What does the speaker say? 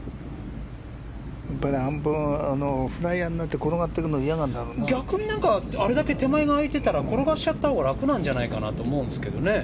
フライヤーになって転がっていくのが逆にあれだけ手前が空いてたら転がしたほうが楽じゃないかと思うんですけどね。